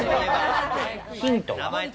ヒントは？